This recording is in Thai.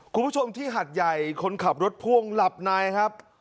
คุณผู้ชมที่หัดใหญ่คนขับรถพ่วงหลับในครับ